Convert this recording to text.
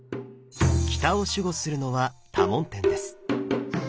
北を守護するのは多聞天です。